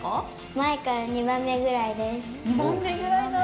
前から２番目ぐらいです。